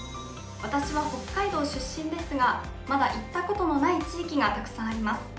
私は北海道出身ですがまだ行ったことのない地域がたくさんあります。